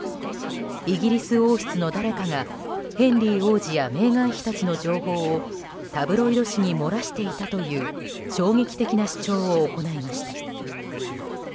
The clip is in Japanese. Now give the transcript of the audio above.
イギリス王室の誰かがヘンリー王子やメーガン妃たちの情報をタブロイド紙に漏らしていたという衝撃的な主張を行いました。